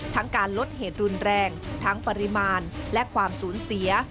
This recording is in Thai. การลดเหตุรุนแรงทั้งปริมาณและความสูญเสีย